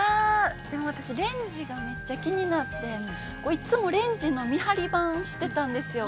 ◆でも私、レンジがめっちゃ気になって、いつもレンジの見張り番をしてたんですよ。